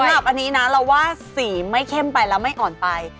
สำหรับอันนี้นะเราว่าสีไม่เข้มไปแล้วไม่อ่อนไป